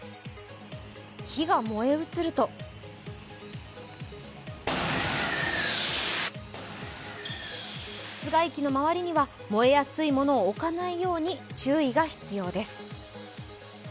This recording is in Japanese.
火が燃え移ると室外機の周りには燃えやすい物を置かないように注意が必要です。